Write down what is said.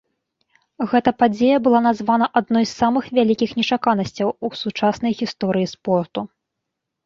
Гэта падзея была названа адной з самых вялікіх нечаканасцяў у сучаснай гісторыі спорту.